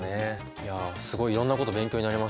いやすごいいろんなこと勉強になりました今日。